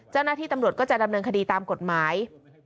เจ้าหน้าที่ตำรวจก็จะดำเนินคดีตามกฎหมาย